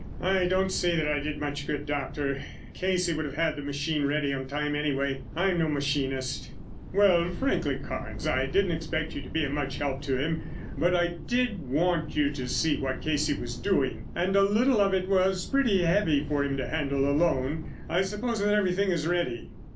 "I don't see that I did much good, Doctor. Casey would have had the machine ready on time anyway, and I'm no machinist." "Well, frankly, Carnes, I didn't expect you to be of much help to him, but I did want you to see what Casey was doing, and a little of it was pretty heavy for him to handle alone. I suppose that everything is ready?"